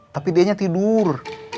tapi dia nya tidur